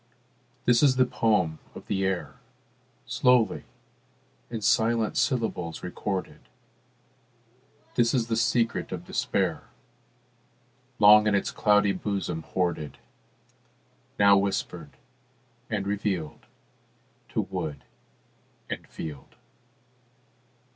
This is the poem of the air, Slowly in silent syllables recorded; This is the secret of despair, Long in its cloudy bosom hoarded, Now whispered and revealed To wood and field.